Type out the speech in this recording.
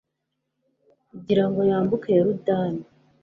kugira ngo yambuke yorudani